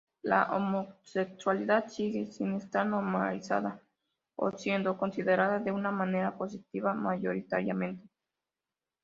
La homosexualidad sigue sin estar normalizada o siendo considerada de una manera positiva mayoritariamente.